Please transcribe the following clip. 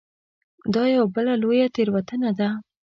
دا یوه بله لویه تېروتنه ده.